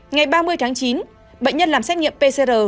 ngày ba mươi tháng chín bệnh nhân làm xét nghiệm pcr